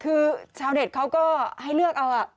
คือชาวเน็ตเขาก็ให้เลือกเอา